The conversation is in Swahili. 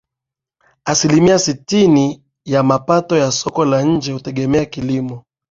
Asilimia Sitini ya mapato ya soko la nje hutegemea kilimo